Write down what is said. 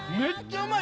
うまい！